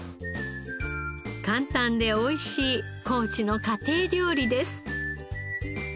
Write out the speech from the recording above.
簡単で美味しい高知の家庭料理です。